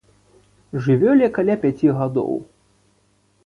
Жывёле каля пяці гадоў.